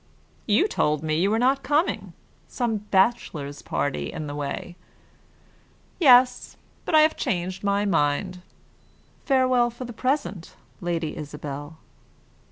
"You told me you were not coming. Some bachelor's party in the way." "Yes, but I have changed my mind. Farewell for the present, Lady Isabel."